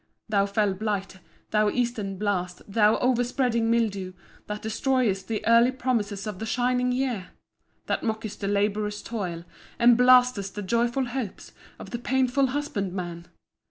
Thou fell blight, thou eastern blast, thou overspreading mildew, that destroyest the early promises of the shining year! that mockest the laborious toil, and blastest the joyful hopes, of the painful husbandman!